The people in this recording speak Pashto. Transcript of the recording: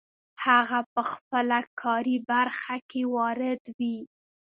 هغه په خپله کاري برخه کې وارد وي.